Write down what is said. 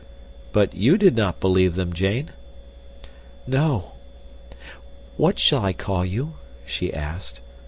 "But you did not believe them, Jane?" "No;—what shall I call you?" she asked.